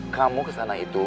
kamu kesana itu